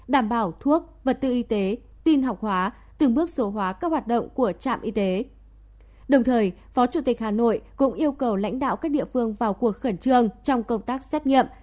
đồng thời phó chủ tịch hà nội cũng yêu cầu lãnh đạo các địa phương vào cuộc khẩn trương trong công tác xét nghiệm